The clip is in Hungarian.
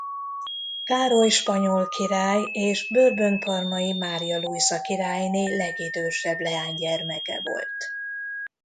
Károly spanyol király és Bourbon–parmai Mária Lujza királyné legidősebb leánygyermeke volt.